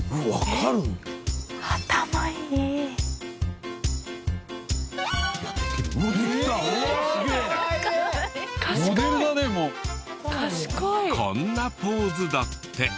こんなポーズだって。